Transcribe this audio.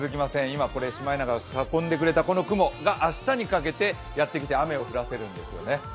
今、シマエナガが運んでくれた雲が明日にかけてやってきて、雨を降らせるんですね。